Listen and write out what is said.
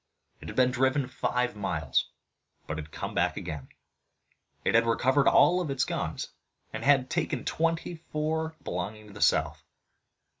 It had been driven five miles but had come back again. It had recovered all its own guns, and had taken twenty four belonging to the South.